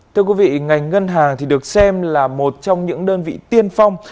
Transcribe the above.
thưa quý vị ngành ngân hàng được xem là một trong những đơn vị tiên phong